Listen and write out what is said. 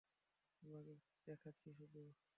তোমাকে দেখাচ্ছি শুধু।